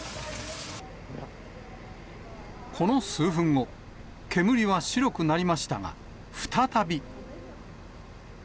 この数分後、煙は白くなりましたが、再び。